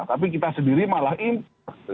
tapi kita sendiri malah ini